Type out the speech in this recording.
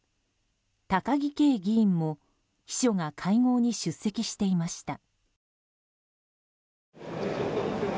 高木啓議員も秘書が会合に出席していました。